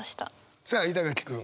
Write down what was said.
さあ板垣君。